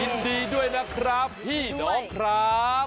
ยินดีด้วยนะครับพี่น้องครับ